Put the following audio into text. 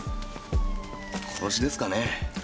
殺しですかね？